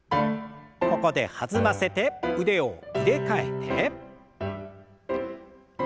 ここで弾ませて腕を入れ替えて。